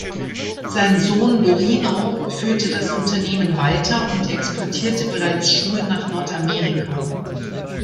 Sein Sohn Dorino führte das Unternehmen weiter und exportierte bereits Schuhe nach Nordamerika.